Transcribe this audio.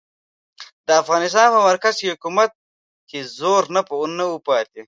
د افغانستان په مرکزي حکومت کې زور نه و پاتې.